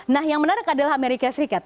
nah yang menarik adalah amerika serikat